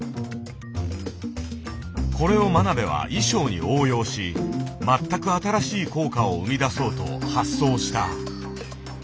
これを真鍋は衣装に応用し全く新しい効果を生み出そうと発想した。